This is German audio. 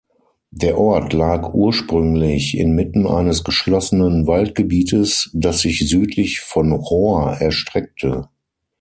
Der Ort lag ursprünglich inmitten eines geschlossenen Waldgebietes, das sich südlich von Rohr erstreckte.